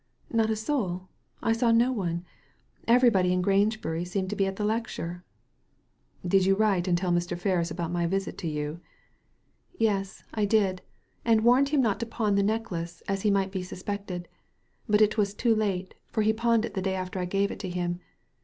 " Not a soul I saw no one. Everybody in Grange bury seemed to be at the lecture." "Did you write and tell Mr. Ferris about my wit to you ?" Digitized by Google AN EXPLANATION i8i "Yes, I did; and warned him not to pawn the necklace, as he might be suspected But it was too late, for he pawned it the day after I gave it to him.